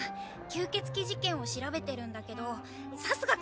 吸ケツ鬼事件を調べてるんだけどサスガ